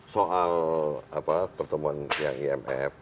soal pertemuan yang imf